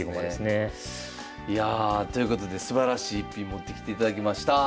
いやあということですばらしい逸品持ってきていただきました。